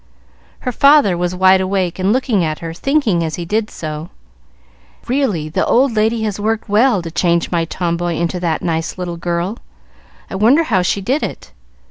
Her father was wide awake and looking at her, thinking, as he did so, "Really the old lady has worked well to change my tomboy into that nice little girl: I wonder how she did it."